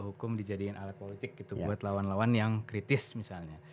hukum dijadikan alat politik gitu buat lawan lawan yang kritis misalnya